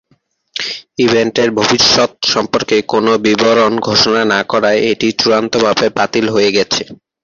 ইভেন্টের ভবিষ্যত সম্পর্কে কোনও বিবরণ ঘোষণা না করায় এটি চূড়ান্তভাবে বাতিল হয়ে গেছে।